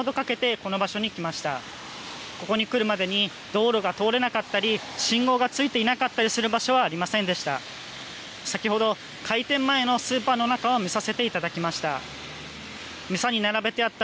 ここに来るまでに道路が通れなかったり、信号がついていなかったりする場所はありませんでした。